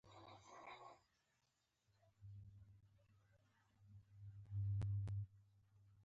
هغه د هیلو او امیدونو سره مخکې روان و.